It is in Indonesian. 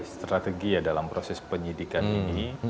strategi ya dalam proses penyidikan ini